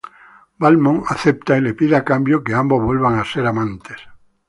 Valmont acepta y le pide a cambio que ambos vuelvan a ser amantes.